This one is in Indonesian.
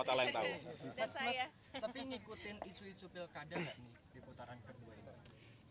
tapi ngikutin isu isu pilkada nggak nih di putaran kedua itu